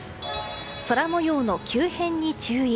空模様の急変に注意。